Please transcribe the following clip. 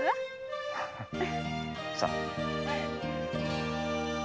さあ。